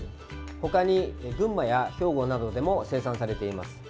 他に群馬や兵庫などでも生産されています。